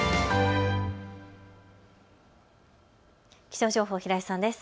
気象情報、平井さんです。